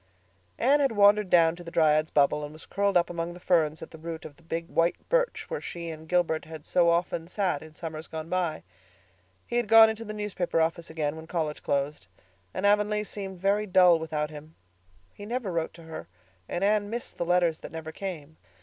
Anne had wandered down to the Dryad's Bubble and was curled up among the ferns at the root of the big white birch where she and Gilbert had so often sat in summers gone by. He had gone into the newspaper office again when college closed, and Avonlea seemed very dull without him. He never wrote to her, and Anne missed the letters that never came.